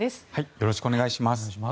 よろしくお願いします。